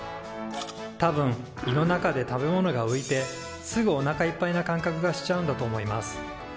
多分胃の中で食べ物がういてすぐおなかいっぱいな感覚がしちゃうんだと思います。